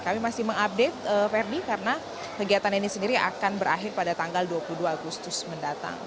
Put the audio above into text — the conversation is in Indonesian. kami masih mengupdate verdi karena kegiatan ini sendiri akan berakhir pada tanggal dua puluh dua agustus mendatang